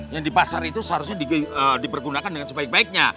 yang di pasar itu seharusnya dipergunakan dengan sebaik baiknya